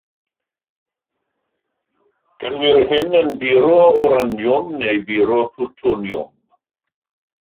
Gelwir hyn yn buro wraniwm neu buro plwtoniwm.